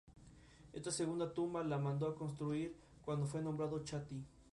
Lambton reanudó su exploración en dirección norte hasta su muerte.